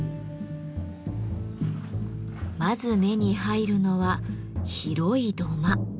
まず目に入るのは広い土間。